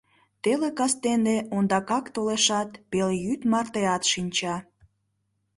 Теле кастене ондакак толешат, пелйӱд мартеат шинча.